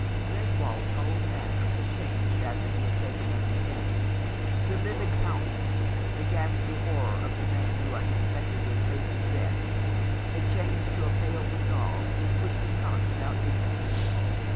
Greswold's whole manner had changed after he had taken up the pen. The livid countenance, the ghastly horror of the man who unexpectedly faces death, had changed to a pale resolve which was not without dignity.